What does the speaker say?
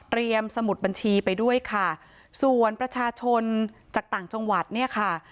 สมุดบัญชีไปด้วยค่ะส่วนประชาชนจากต่างจังหวัดเนี่ยค่ะ